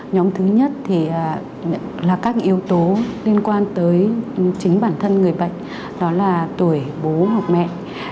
nhóm thứ nhất thì là các yếu tố liên quan tới chính bản thân người bệnh đó là tuổi bố hoặc mẹ